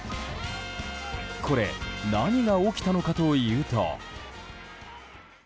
これ何が起きたのかというと。